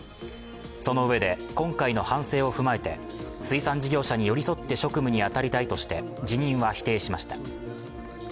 そのうえで、今回の反省を踏まえて水産事業者に寄り添って職務に当たりたいとして辞任は否定しました。